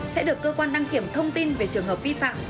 sẽ được cơ quan đăng kiểm thông tin về trường hợp vi phạm